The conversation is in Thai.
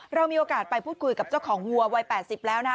เรามีโอกาสไปพูดคุยกับเจ้าของวัววัย๘๐แล้วนะคะ